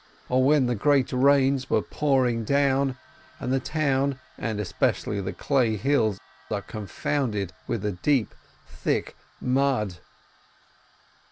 Or when the great rains were pouring down, and the town and especially the clay hill are confounded with the deep, thick mud